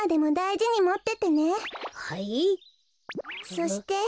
そして。